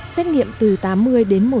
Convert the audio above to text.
xét nghiệm từ tám giờ đến giờ